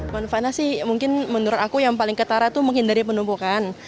manfaatnya sih mungkin menurut aku yang paling ketara itu menghindari penumpukan